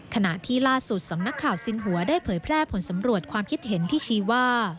ขณะที่ล่าสุดสำนักข่าวสินหัวได้เผยแพร่ผลสำรวจความคิดเห็นที่ชี้ว่า